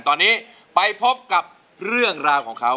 ตอนนี้ไปพบกับเรื่องราวของเขา